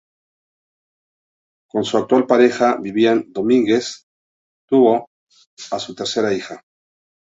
Con su actual pareja, Vivian Domínguez, tuvo a su tercera hija.